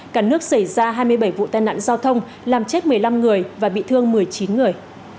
cả nước xảy ra hai mươi bảy vụ tai nạn giao thông làm chết một mươi năm người và bị thương một mươi chín người